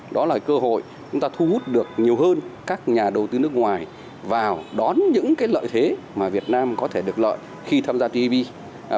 đó là cơ hội chúng ta thu hút được nhiều hơn các nhà đầu tư nước ngoài vào đón những lợi thế mà việt nam có thể được lợi khi tham gia tv